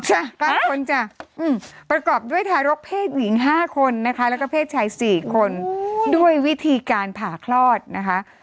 กลางคนจ้ะประกอบด้วยทารกเพศหญิง๕คนนะคะแล้วก็เพศชาย๔คนด้วยวิธีการผ่าคลอดนะคะ